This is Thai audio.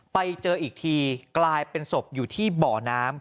ไปเจออีกทีกลายเป็นศพอยู่ที่บ่อน้ำ